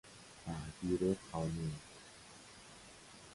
تعبیر قانون